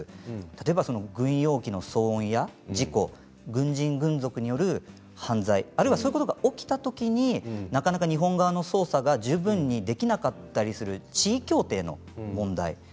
例えば軍用機の騒音や事故軍人軍属による犯罪あるいは、そういうことが起きたときになかなか日本側の捜査が十分にできなかったりする地位協定の問題